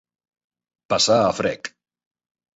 Passar a frec.